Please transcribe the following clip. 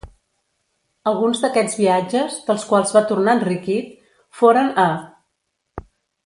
Alguns d'aquests viatges, dels quals va tornar enriquit, foren a: